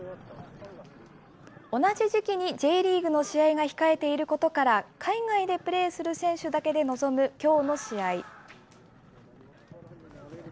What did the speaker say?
同じ時期にＪリーグの試合が控えていることから、海外でプレーする選手だけで臨むきょうの試合。